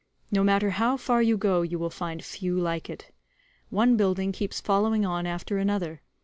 No matter how far you go, you will find few like it. One building keeps following on after another.